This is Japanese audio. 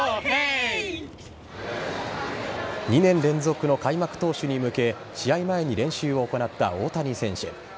２年連続の開幕投手に向け試合前に練習を行った大谷選手。